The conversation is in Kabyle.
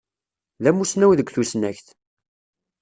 D amussnaw deg tussnakt.